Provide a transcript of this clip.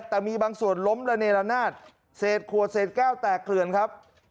แต่มีบางส่วนล้มระเนละนาดเศษขวดเศษแก้วแตกเกลือนครับ